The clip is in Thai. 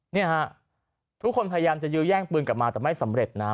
เนี่ยฮะทุกคนพยายามจะยื้อแย่งปืนกลับมาแต่ไม่สำเร็จนะฮะ